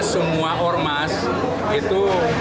semua ormas itu